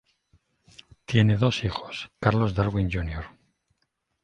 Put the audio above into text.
Tiene dos hijos, Carlos Darwin Jr.